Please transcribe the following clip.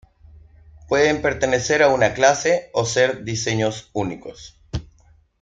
Pueden pertenecer a una clase o ser diseños únicos.